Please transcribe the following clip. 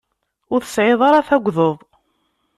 Ur tesεiḍ ara tagdeḍ.